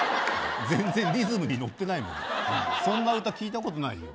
全然リズムに乗ってないもんそんな歌聞いたことないよ